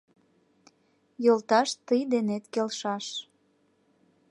Йолташ тый денет келшаш.